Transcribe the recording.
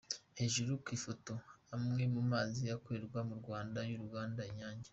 Hejuru ku ifoto : Amwe mu mazi akorerwa mu Rwanda n’Uruganda Inyange.